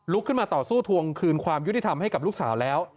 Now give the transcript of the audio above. ขึ้นมาต่อสู้ทวงคืนความยุติธรรมให้กับลูกสาวแล้ว